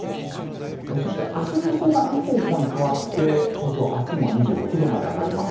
そして、明日の予想がいい方向に変わって東京、明日も２６度まで上がります。